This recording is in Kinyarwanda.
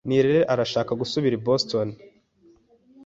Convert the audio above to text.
Nirere arashaka gusubira i Boston.